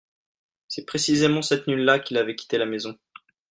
c'est précisément cette nuit-là qu'il avait quitté la maison.